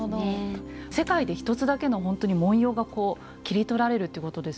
世界で一つだけのほんとに文様がこう切り取られるということですもんね。